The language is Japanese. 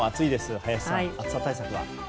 林さん、暑さ対策は？